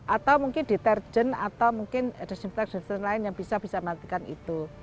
atau mungkin deterjen atau mungkin disinfektan lain yang bisa bisa melakukan itu